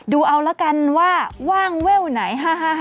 ดูเอาละกันว่าว่างแว่วไหน